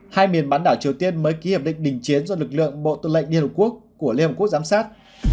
hai miền bán đảo triều tiên mới ký hiệp định đình chiến do lực lượng bộ tư lệnh liên hợp quốc của liên hợp quốc giám sát